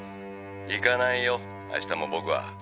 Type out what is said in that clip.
「行かないよ明日も僕は」